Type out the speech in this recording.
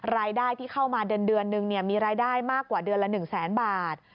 รายได้ที่เข้ามาเดือนนึงมีรายได้มากกว่าเดือนละ๑แสนบาท